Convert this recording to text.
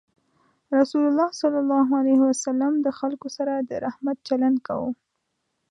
رسول الله صلى الله عليه وسلم د خلکو سره د رحمت چلند کاوه.